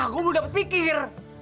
gua belum dapat pikir